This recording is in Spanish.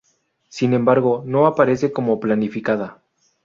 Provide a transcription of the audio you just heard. Sin embargo no aparece como planificada.